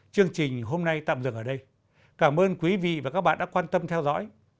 chương trình hôm nay tạm dừng ở đây cảm ơn quý vị và các bạn đã quan tâm theo dõi